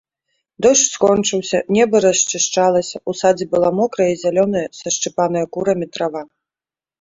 Дождж скончыўся, неба расчышчалася, у садзе была мокрая і зялёная, сашчыпаная курамі трава.